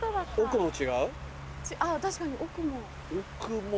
あっ確かに奥も。